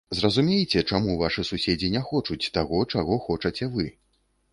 Зразумейце, чаму вашы суседзі не хочуць таго, чаго хочаце вы.